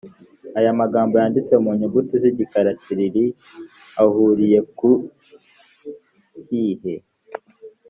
aya magambo yanditse mu nyuguti z igikara tsiriri ahuriye ku kihe